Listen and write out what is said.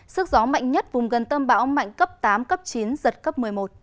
sức gió mạnh nhất vùng gần tâm bão mạnh cấp tám cấp chín giật cấp một mươi một